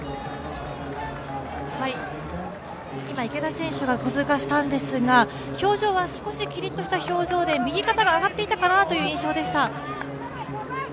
今、池田選手が通過したんですが表情は少しキリッとした表情で右肩が上がっていた印象でした。